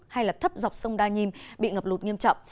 hay là thấp dọc sông đa nhiêm bị ngập lụt nghiêm trọng